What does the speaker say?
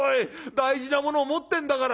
大事なものを持ってんだから。